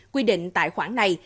quy định tài khoản này